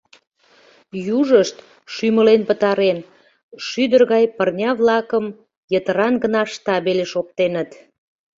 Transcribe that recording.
Южышт, шӱмлен пытарен, шӱдыр гай пырня-влакым йытыран гына штабельыш оптеныт.